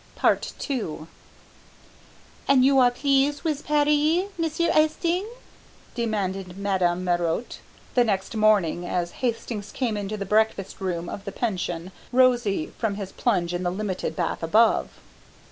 II "An' you are pleas wiz Paris, Monsieur' Astang?" demanded Madame Marotte the next morning as Hastings came into the breakfast room of the pension, rosy from his plunge in the limited bath above.